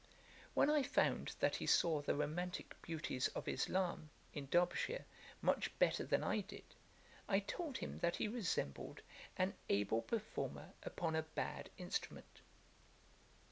When I found that he saw the romantick beauties of Islam, in Derbyshire, much better than I did, I told him that he resembled an able performer upon a bad instrument.